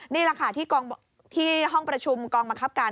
นี่แหละค่ะที่ห้องประชุมกองบังคับการ